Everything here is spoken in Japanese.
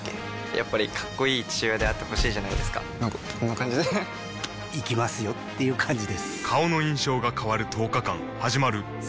やっぱりかっこいい父親であってほしいじゃないですかなんかこんな感じで行きますよっていう感じです